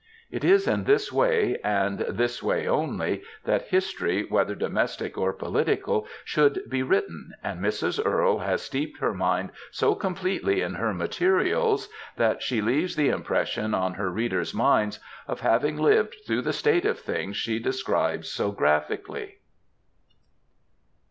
'*^ It is in this way, and this way only, that history, whether domestic or political, should be written, and Mrs. Earle has steeped her mind so completely in her materials, that she leaves the impression on her readers' minds of having lived through the state of things she describes so graphically.